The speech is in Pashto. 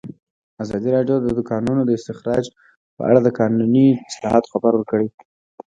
ازادي راډیو د د کانونو استخراج په اړه د قانوني اصلاحاتو خبر ورکړی.